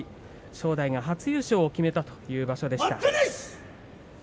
正代が初優勝を決めたという場所でした。